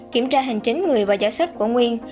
kiểm tra hành chính người và giỏ sách của nguyên